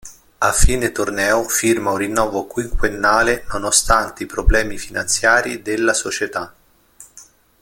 A fine torneo firma un rinnovo quinquennale, nonostante i problemi finanziari della società.